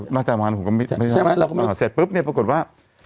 หลังจากนั้นเหลือปุ๊บเนี่ยปรากฏว่า